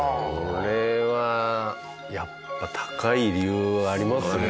これはやっぱ高い理由ありますよね。